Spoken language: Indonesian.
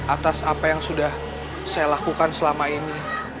atas apa yang sudah saya lakukan selama ini